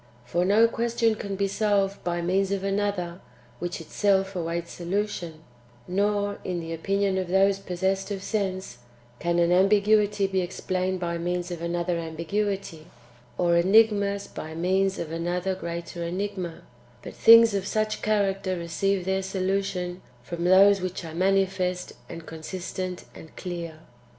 For no question can be solved by means of another which itself awaits solution ; nor, in the opinion of those possessed of sense, can an ambiguity be explained by means of another ambiguity, or enigmas by means of another greater enigma, but things of such character receive their solution from those which are manifest, and consistent, and clear.